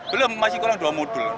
belum masih kurang dua modul